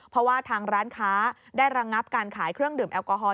เพราะว่าทางร้านค้าได้ระงับการขายเครื่องดื่มแอลกอฮอล